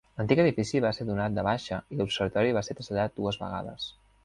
L'antic edifici va ser donat de baixa i l'observatori va ser traslladat dues vegades.